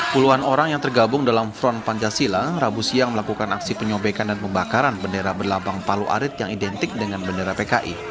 puluhan orang yang tergabung dalam front pancasila rabu siang melakukan aksi penyobekan dan pembakaran bendera berlabang palu arit yang identik dengan bendera pki